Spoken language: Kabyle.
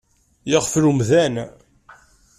Yeɣfel umdan.